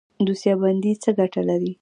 دوسیه بندي څه ګټه لري؟